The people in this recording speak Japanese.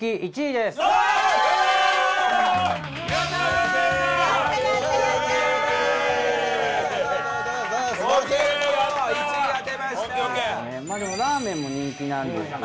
でもラーメンも人気なんですけど。